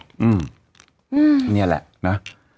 อืมนี่แหละ